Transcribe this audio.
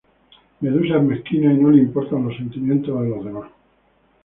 Medusa es mezquina y no le importa los sentimientos de los demás.